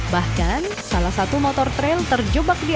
bahkan salah satu motor trail terjebak di